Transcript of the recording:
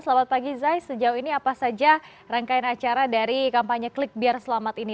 selamat pagi zay sejauh ini apa saja rangkaian acara dari kampanye klik biar selamat ini